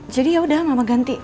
jadi yaudah mama ganti